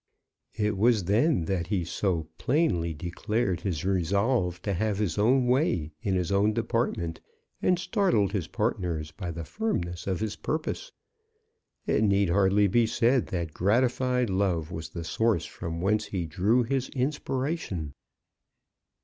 It was then that he so plainly declared his resolve to have his own way in his own department, and startled his partners by the firmness of his purpose. It need hardly be said that gratified love was the source from whence he drew his inspiration.